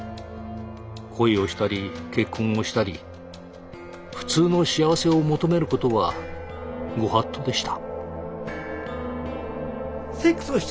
恋をしたり結婚をしたり普通の幸せを求めることは御法度でした。